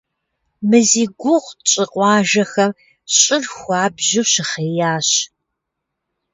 Мы зи гугъу тщӀы къуажэхэм щӀыр хуабжьу щыхъеящ.